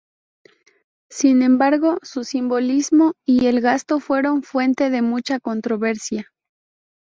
Sin embargo, su simbolismo y el gasto fueron fuente de mucha controversia.